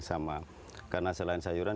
sama karena selain sayuran